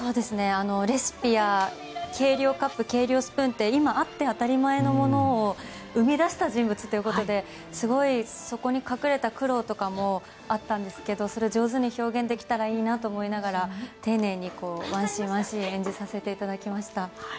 レシピや計量カップ計量スプーンって今あって当たり前のものを生み出した人物ということですごいそこに隠れた苦労とかもあったんですけどそれを上手に表現できたらいいなと思いながら丁寧にワンシーン、ワンシーン演じさせていただきました。